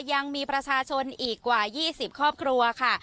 ยังมีประชาชนอีกกว่า๒๐ครอบครัวค่ะ